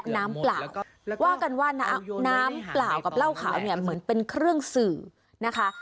เปล่าว่ากันว่าน้ำเปล่ากับเหล้าขาวเนี่ยเหมือนเป็นเครื่องสื่อนะคะ